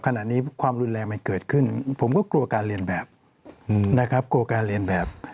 ขณะนี้ความรุนแรงมันเกิดขึ้นผมก็กลัวการเรียนแบบนะครับกลัวการเรียนแบบ